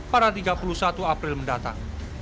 pada tiga puluh satu april mendatang